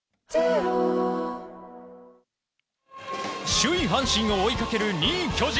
首位、阪神を追いかける２位、巨人。